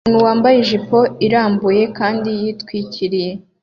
Umuntu wambaye ijipo irambuye kandi yitwikiriye